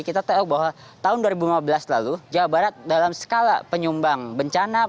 kita tahu bahwa tahun dua ribu lima belas lalu jawa barat dalam skala penyumbang bencana